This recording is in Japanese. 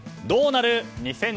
どうなる？